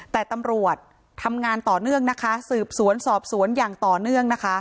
แต่ตำรวจทำงานต่อเนื่องนะคะสืบสวนสอบสวนอย่างต่อเนื่องนะคะ